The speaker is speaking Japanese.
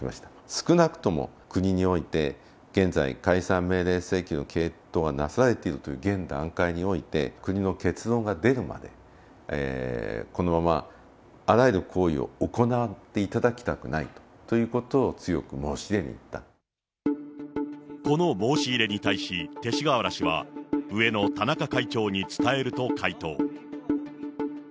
少なくとも国において、現在、解散命令請求の検討がなされているという現段階において、国の結論が出るまで、このままあらゆる行為を行っていただきたくないということを、強この申し入れに対し、勅使河原氏は、上の田中会長に伝えると回答。